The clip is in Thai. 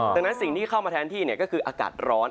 ดังนั้นสิ่งที่เข้ามาแทนที่ก็คืออากาศร้อน